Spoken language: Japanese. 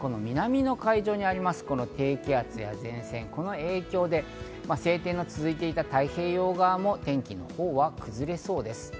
特に南の海上にあります、この低気圧や前線、この影響で晴天が続いていた太平洋側も天気が崩れそうです。